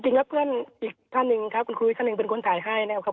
จริงครับเพื่อนอีกท่านหนึ่งครับคุณครูอีกท่านหนึ่งเป็นคนถ่ายให้นะครับครับ